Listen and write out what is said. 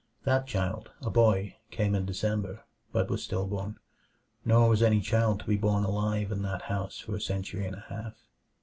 That child, a boy, came in December; but was still born. Nor was any child to be born alive in that house for a century and a half.